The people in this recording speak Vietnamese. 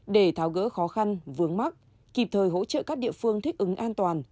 để tháo gỡ khó khăn vướng mắt kịp thời hỗ trợ các địa phương thích ứng an toàn